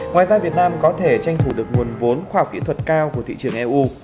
ngoài ra việt nam có thể tranh thủ được nguồn vốn khoa học kỹ thuật cao của thị trường eu